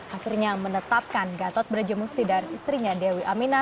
akhirnya menetapkan gatot beraja musti dan istrinya dewi amina